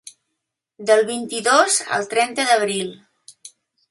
Del vint-i-dos al trenta d’abril.